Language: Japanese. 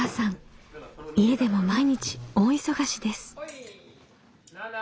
家でも毎日大忙しです。